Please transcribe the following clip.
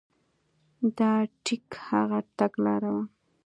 دا ټیک هغه تګلاره وه.